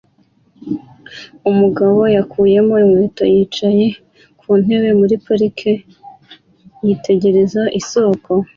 Umugabo yakuyemo inkweto yicaye ku ntebe muri parike yitegereza isoko